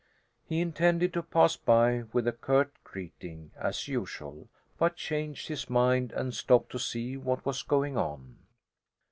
He intended to pass by with a curt greeting, as usual, but changed his mind and stopped to see what was going on.